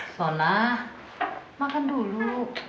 sona makan dulu